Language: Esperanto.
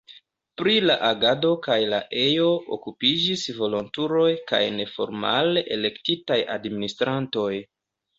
Pri la agado kaj la ejo okupiĝis volontuloj kaj neformale elektitaj administrantoj.